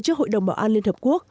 trước hội đồng bảo an liên hợp quốc